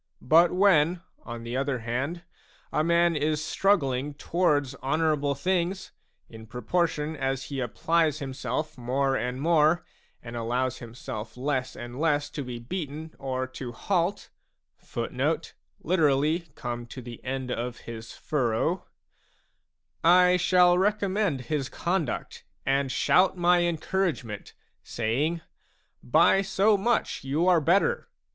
But when, on the other hand, a man is struggling towards honourable things, in proportion as he applies himself more and more, and allows himself less and less to be beaten or to halt, a I shall recommend his conduct and shout my encouragement, saying :" By so much you are better!